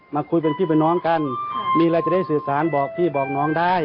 มาคุยเป็นพี่เป็นน้องกันมีอะไรจะได้สื่อสารบอกพี่บอกน้องได้